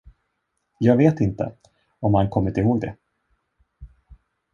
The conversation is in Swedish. Jag vet inte, om han kommit ihåg det.